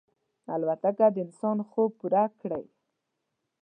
الوتکه د انسان خوب پوره کړی.